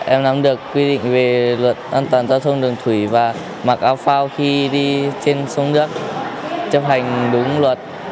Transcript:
em nắm được quy định về luật an toàn giao thông đường thủy và mặc áo phao khi đi trên sông nước chấp hành đúng luật